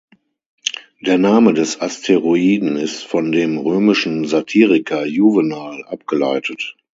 Der Name des Asteroiden ist von dem römischen Satiriker Juvenal abgeleitet.